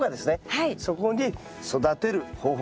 そこに育てる方法